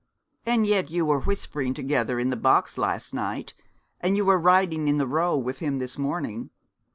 'And yet you were whispering together in the box last night, and you were riding in the Row with him this morning.